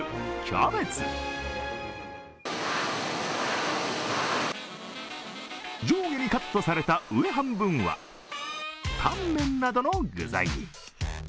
キャベツ上下にカットされた上半分は、タンメンなどの具材に。